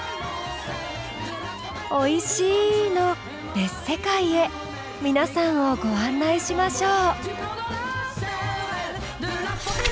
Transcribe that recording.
おいしいの別世界へ皆さんをご案内しましょう。